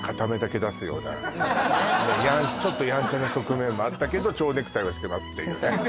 あのちょっとやんちゃな側面もあったけど蝶ネクタイはしてますっていうね